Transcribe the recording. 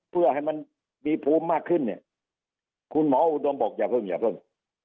เพื่อให้มันมีภูมิมากขึ้นเนี่ยคุณหมออุดมบอกอย่าเพิ่งอย่าเพิ่ง